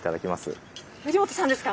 あっ藤本さんですか？